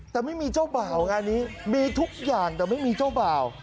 แต่ไม่มีเจ้าบ่าวงานนี้มีทุกอย่างแต่ไม่มีเจ้าบ่าว